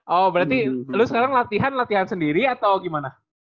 oh berarti lalu sekarang latihan latihan sendiri atau gimana